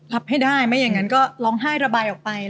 ให้ได้ไม่อย่างนั้นก็ร้องไห้ระบายออกไป